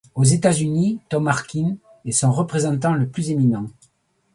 Aux États-Unis, Tom Harkin est son représentant le plus éminent.